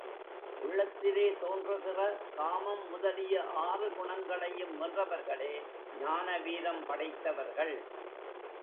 உள்ளத்திலே தோன்றுகிற காமம் முதலிய ஆறு குணங்களையும் வென்றவர்களே ஞான வீரம் படைத்தவர்கள்.